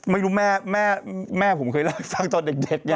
ไม่รู้แม่ผมเคยรักสร้างตอนเด็ก